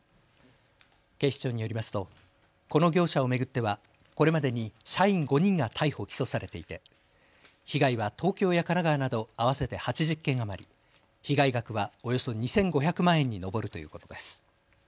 警視庁によりますとこの業者を巡ってはこれまでに社員５人が逮捕・起訴されていて被害は東京や神奈川など合わせて８０件余り、被害額はおよそ２５００万円に上るということです。